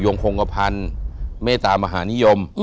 โมงพันธุ์เมตตามหานิยม